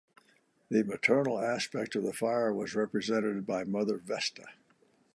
The maternal aspect of the fire was represented by Mother Vesta.